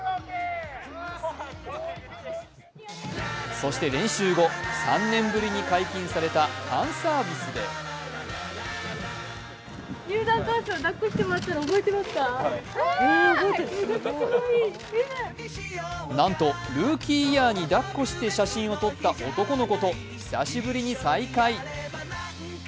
そして練習後、３年ぶりに解禁されたファンサービスでなんとルーキーイヤーに抱っこして写真を撮った男の子と久しぶりに再会。